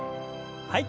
はい。